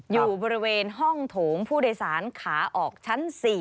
อยู่บริเวณห้องโถงผู้โดยสารขาออกชั้น๔